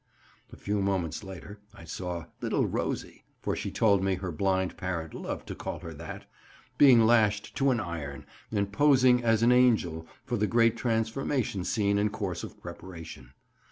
A few moments later I saw 'little Rosie' (for so she told me her blind parent loved to call her) being lashed to an 'iron,' and posing as an angel for the great transformation scene in course of preparation.